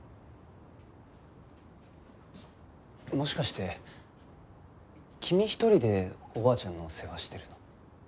もしかして君一人でおばあちゃんの世話してるの？